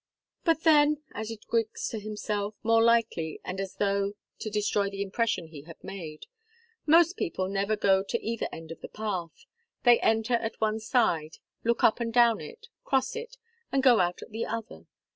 "But then," added Griggs himself, more lightly, and as though to destroy the impression he had made, "most people never go to either end of the path. They enter at one side, look up and down it, cross it, and go out at the other.